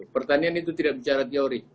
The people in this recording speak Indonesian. pertanian itu tidak bicara teori